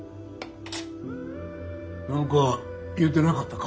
何か言うてなかったか？